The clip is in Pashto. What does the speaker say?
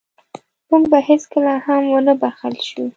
موږ به هېڅکله هم ونه بښل شو.